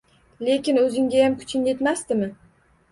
Lekin og‘zinggayam kuching yetmasdimi?